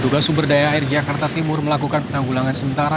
tugas sumber daya air jakarta timur melakukan penanggulangan sementara